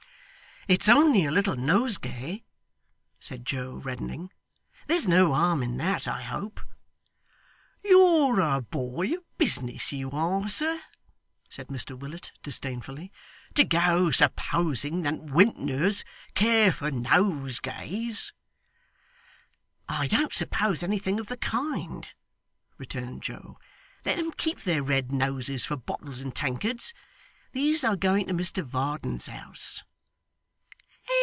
'It's only a little nosegay,' said Joe, reddening. 'There's no harm in that, I hope?' 'You're a boy of business, you are, sir!' said Mr Willet, disdainfully, 'to go supposing that wintners care for nosegays.' 'I don't suppose anything of the kind,' returned Joe. 'Let them keep their red noses for bottles and tankards. These are going to Mr Varden's house.